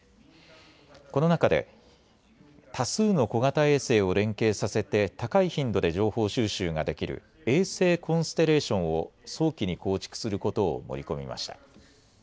この中で多数の小型衛星を連携させて高い頻度で情報収集ができる衛星コンステレーションを早期に構築することを盛り込みました。